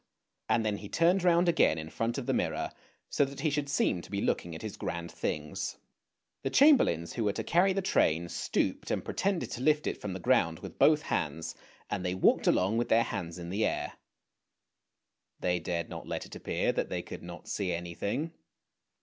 " and then he turned round again in front of the mirror, so that he should seem to be looking at his grand things. The chamberlains who were to carry the train stooped and pretended to lift it from the ground with both hands, and they walked along with their hands in the air. They dared not let it appear that they could not see anything.